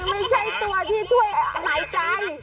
ไม่ใช่ตัวที่ช่วยหายใจ